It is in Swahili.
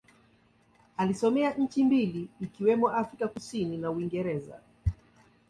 Alisomea nchi mbili ikiwemo Afrika Kusini na Uingereza.